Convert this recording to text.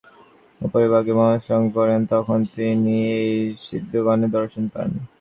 যোগী যখন তাঁহার মস্তকের উপরিভাগে মনঃসংযম করেন, তখন তিনি এই সিদ্ধগণের দর্শন পান।